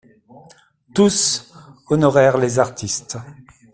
Tous honorèrent les artistes.